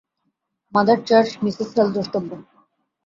Mother church Mrs Hale দ্রষ্টব্য।